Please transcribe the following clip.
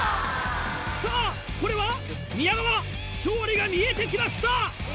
さぁこれは宮川勝利が見えてきました！